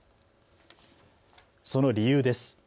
その理由です。